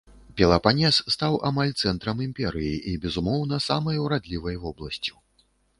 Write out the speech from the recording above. Пелапанес стаў амаль цэнтрам імперыі і, безумоўна, самай урадлівай вобласцю.